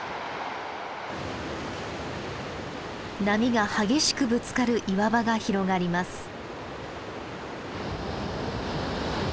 波が激しくぶつかる岩場が広がります。